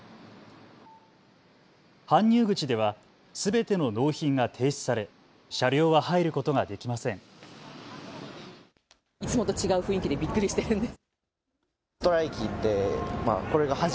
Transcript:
搬入口ではすべての納品が停止され車両は入ることができませんです。